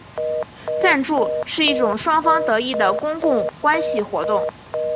赞助是一种双方得益的公共关系活动。